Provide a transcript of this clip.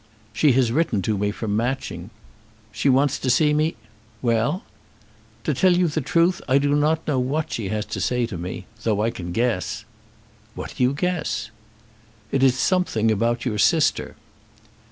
"She has written to me from Matching. She wants to see me " "Well?" "To tell you the truth, I do not know what she has to say to me; though I can guess." "What do you guess?" "It is something about your sister."